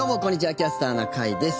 「キャスターな会」です。